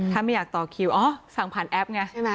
ถ้าไม่อยากต่อคิวอ๋อสั่งผ่านแอปไงใช่ไหม